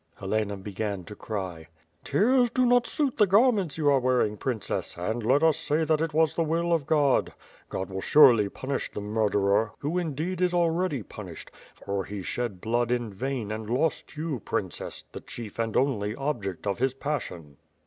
Helena began to cry. "Tears do not suit the garments you are wearing. Princess, and let us say that it was the will of God. God will surely punish the murderer, who indeed is already punished; for he shed blood in vain and lost you, Princess, the chief and only object of his passion."